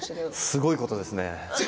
すごいことですよね。